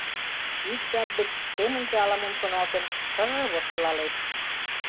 Ик жап гыч, семынже ала-мом шоналтен, шыр-р воштылалеш.